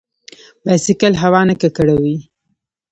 بایسکل هوا نه ککړوي.